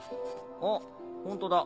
あっホントだ。